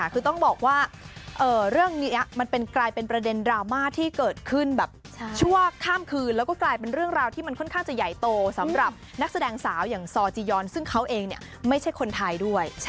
คือต้องบอกว่าเรื่องนี้มันกลายเป็นประเด็นดราม่าที่เกิดขึ้นแบบชั่วข้ามคืนแล้วก็กลายเป็นเรื่องราวที่มันค่อนข้างจะใหญ่โตสำหรับนักแสดงสาวอย่างซอจียอนซึ่งเขาเองไม่ใช่คนไทยด้วย